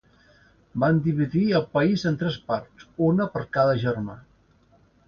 Van dividir el país en tres parts, una per cada germà.